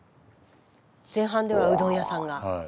前半ではうどん屋さんが。